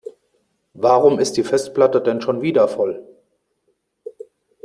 Warum ist die Festplatte denn schon wieder voll?